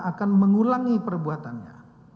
akan mengulangi perbuatannya